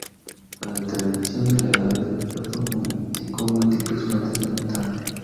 La determinación de la edad del yodo indicó múltiples fuentes de metano.